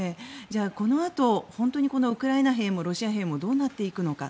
じゃあこのあと本当にウクライナ兵もロシア兵もどうなっていくのか。